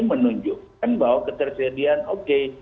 menunjukkan bahwa ketersediaan oke